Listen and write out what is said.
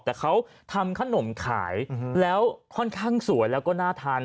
แต่เขาทำขนมขายแล้วค่อนข้างสวยแล้วก็น่าทาน